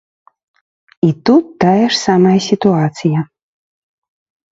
І тут тая ж самая сітуацыя.